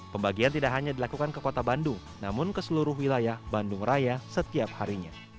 pembagian tidak hanya dilakukan ke kota bandung namun ke seluruh wilayah bandung raya setiap harinya